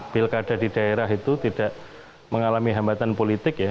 pilkada di daerah itu tidak mengalami hambatan politik ya